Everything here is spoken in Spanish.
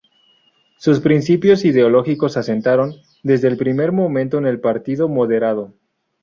Sus principios ideológicos se asentaron, desde el primer momento en el Partido Moderado.